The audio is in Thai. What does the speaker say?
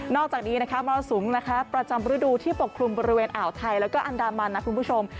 อกจากนี้นะคะมรสุมนะคะประจำฤดูที่ปกคลุมบริเวณอ่าวไทยแล้วก็อันดามันนะคุณผู้ชม